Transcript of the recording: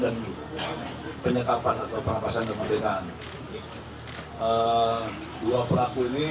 muka bapak ngerti apa